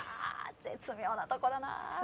絶妙なとこだな。